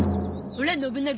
オラ信長。